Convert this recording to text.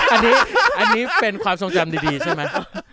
อันนี้เป็นความทรงจำดีใช่ไหม